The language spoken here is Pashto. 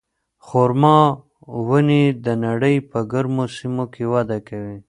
خورما ونې د نړۍ په ګرمو سیمو کې وده کوي.